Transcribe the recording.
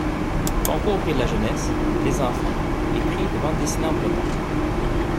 Concours Prix de la Jeunesse, des enfants, et prix de bandes-dessinées en breton.